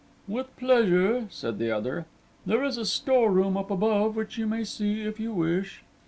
"With pleasure," said the other; "there is a storeroom up above which you may see if you wish."